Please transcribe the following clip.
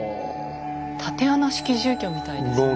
竪穴式住居みたいですね。